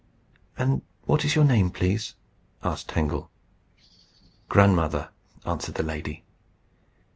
"And what is your name, please?" asked Tangle. "Grandmother," answered the lady.